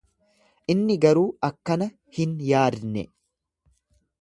Inni garuu akkana hin yaadne.